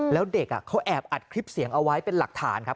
แล้วเด็กเขาแอบอัดคลิปเสียงเอาไว้เป็นหลักฐานครับ